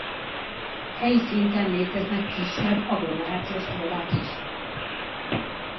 Helyi szinten léteznek kisebb agglomerációs példák is.